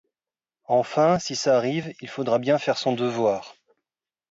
Enfin, si ça arrive, il faudra bien faire son devoir.